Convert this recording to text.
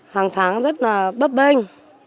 hàng tháng rất là bấp bênh